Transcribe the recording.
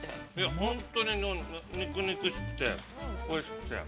◆本当に肉々しくて、おいしくて。